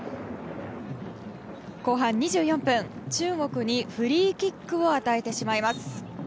後半２４分、中国にフリーキックを与えてしまいます。